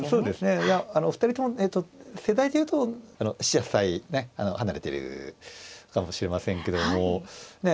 いやあの２人とも世代で言うと７８歳離れているかもしれませんけどもねえ